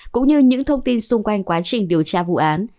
cũng như những thông tin xung quanh quá trình điều tra vụ án